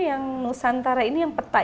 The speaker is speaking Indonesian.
yang nusantara ini yang peta